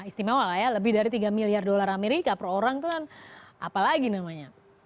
istimewa lah ya lebih dari tiga miliar dolar amerika per orang itu kan apalagi namanya